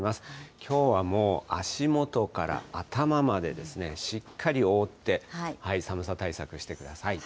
きょうはもう、足元から頭までしっかり覆って、寒さ対策してください。